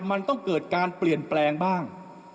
มันต้องเกิดการเปลี่ยนแปลงบ้าง